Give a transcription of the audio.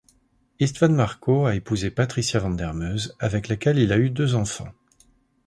István Markó a épousé Patricia Vandermeuse avec laquelle il a eu deux enfants.